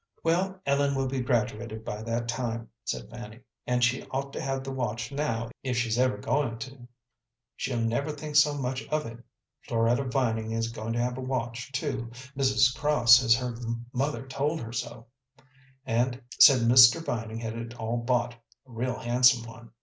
"Well, Ellen will be graduated by that time," said Fanny, "and she ought to have the watch now if she's ever goin' to. She'll never think so much of it. Floretta Vining is goin' to have a watch, too. Mrs. Cross says her mother told her so; said Mr. Vining had it all bought a real handsome one.